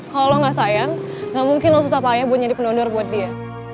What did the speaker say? kalau lu nggak sayang nggak mungkin lu susah payah buat jadi pendondor buat dia